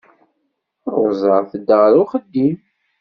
Ṛuza tedda ɣer uxeddim.